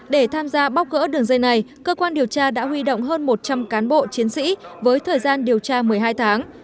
để tham gia bóc gỡ đường dây này cơ quan điều tra đã huy động hơn một trăm linh cán bộ chiến sĩ với thời gian điều tra một mươi hai tháng